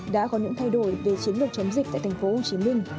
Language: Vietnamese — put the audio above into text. đã có những thay đổi về chiến lược chống dịch tại tp hcm